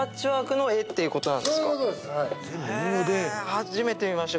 初めて見ました